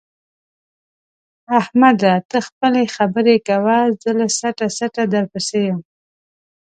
احمده! ته خپلې خبرې کوه زه له څټه څټه درپسې یم.